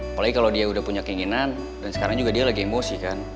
apalagi kalau dia udah punya keinginan dan sekarang juga dia lagi emosi kan